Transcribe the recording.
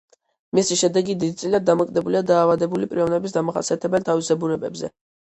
მისი შედეგი დიდწილად დამოკიდებულია დაავადებული პიროვნების დამახასიათებელ თავისებურებებზე.